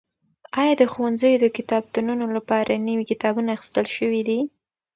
ایا د ښوونځیو د کتابتونونو لپاره نوي کتابونه اخیستل شوي دي؟